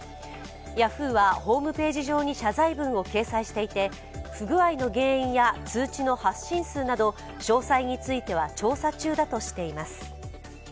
ヤフーはホームページ上に謝罪文を掲載していて不具合の原因や通知の発信数など詳細については調査中だとしています。